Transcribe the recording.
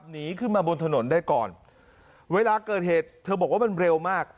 หนีขึ้นมาบนถนนได้ก่อนเวลาเกิดเหตุเธอบอกว่ามันเร็วมาก